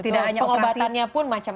tidak hanya operasi